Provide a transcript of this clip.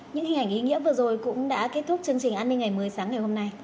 những hình ảnh ý nghĩa vừa rồi cũng đã kết thúc chương trình an ninh ngày mới sáng ngày hôm nay